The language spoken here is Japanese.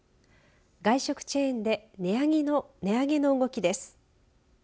外食チェーンで値上げの動きです。